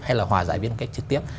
hay là hòa giải biến một cách trực tiếp